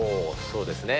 そうですね。